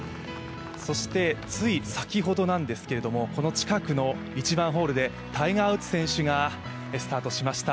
そしてつい先ほどなんですけれどもこの近くの１番ホールでタイガー・ウッズ選手がスタートしました。